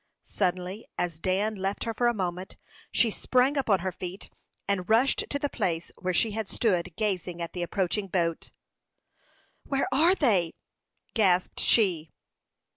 Suddenly, as Dan left her for a moment, she sprang upon her feet, and rushed to the place where she had stood gazing at the approaching boat. "Where are they?" gasped she.